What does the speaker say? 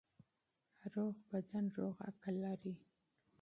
روغ بدن روغ عقل لري.